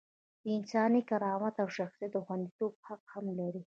د انساني کرامت او شخصیت د خونديتوب حق هم لري.